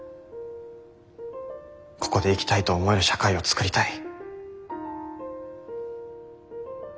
ここで生きたいと思える社会を創りたい。